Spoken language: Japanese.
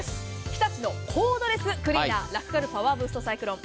日立のコードレススティッククリーナーラクかるパワーブーストサイクロン。